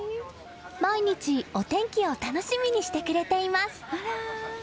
毎日、お天気を楽しみにしてくれています。